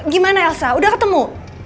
gimana elsa udah ketemu